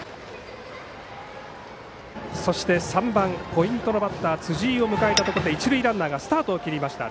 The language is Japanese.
そして３番、ポイントのバッター辻井を迎えたところで一塁ランナーがスタートを切りました。